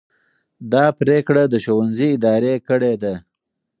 دا پرېکړه د ښوونځي ادارې کړې ده.